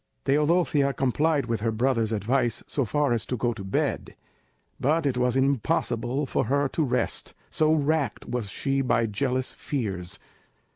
Teodosia complied with her brother's advice so far as to go to bed, but it was impossible for her to rest, so racked was she by jealous fears.